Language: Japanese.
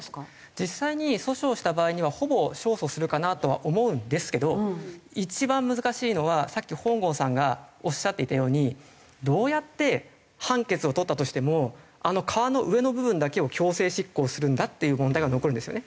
実際に訴訟した場合にはほぼ勝訴するかなとは思うんですけど一番難しいのはさっき本郷さんがおっしゃっていたようにどうやって判決を取ったとしてもあの川の上の部分だけを強制執行するんだっていう問題が残るんですよね。